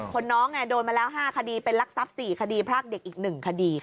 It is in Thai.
น้องโดนมาแล้ว๕คดีเป็นรักทรัพย์๔คดีพรากเด็กอีก๑คดี